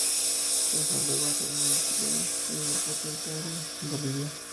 Pasó luego a ser ministro plenipotenciario en Bolivia.